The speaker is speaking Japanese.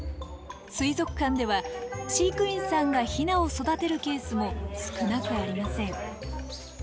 水族館では飼育員さんがヒナを育てるケースも少なくありません。